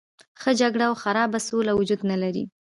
ښه جګړه او خرابه سوله وجود نه لري.